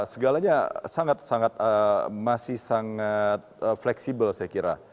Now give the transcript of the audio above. segalanya masih sangat fleksibel saya kira